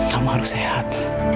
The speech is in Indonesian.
kamu harus sehat